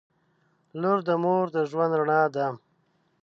• لور د مور د ژوند رڼا ده.